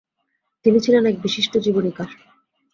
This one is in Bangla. তিনি ছিলেন এক বিশিষ্ট জীবনীকার।